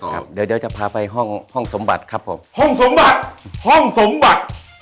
ครับเดี๋ยวเดี๋ยวจะพาไปห้องห้องสมบัติครับผมห้องสมบัติห้องสมบัติ